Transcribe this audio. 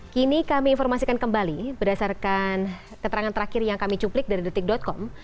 kini kami informasikan kembali berdasarkan keterangan terakhir yang kami cuplik dari detik com